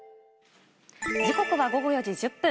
時刻は午後４時１０分。